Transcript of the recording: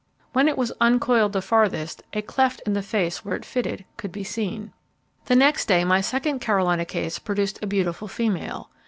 When it was uncoiled the farthest, a cleft in the face where it fitted could be seen. The next day my second Carolina case produced a beautiful female.